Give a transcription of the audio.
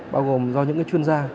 bao gồm do những chuyên gia